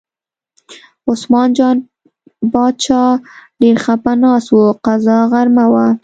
عثمان جان باچا ډېر خپه ناست و، قضا غرمه وه.